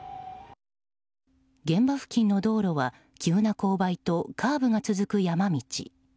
現場付近の道路は急な勾配とカーブが続く山道。